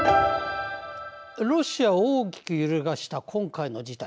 ロシアを大きく揺るがした今回の事態。